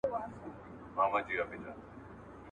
که هر څو درانه بارونه چلومه